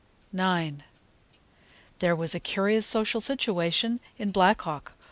IX THERE was a curious social situation in Black Hawk.